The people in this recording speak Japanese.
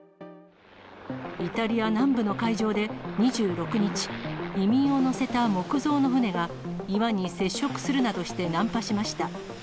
イタリア南部の海上で２６日、移民を乗せた木造の船が、岩に接触するなどして難破しました。